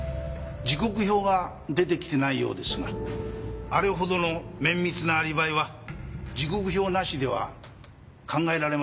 時刻表が出てきてないようですがあれほどの綿密なアリバイは時刻表なしでは考えられません。